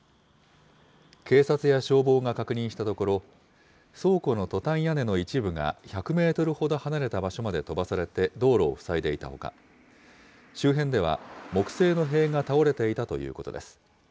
警察や消防が確認したところ、倉庫のトタン屋根の一部が１００メートルほど離れた場所まで飛ばされて道路を塞いでいたほか、周辺では木製の塀が倒れていたということです。